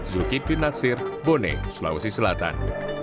zulkifli nasir bone sulawesi selatan